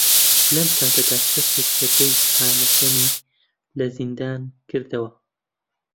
لەم ساتەدا کەسێک دەرگای خانەکەمی لە زیندان کردەوە.